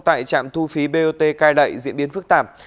tại trạm thu phí bot cai lệ diễn biến phức tạp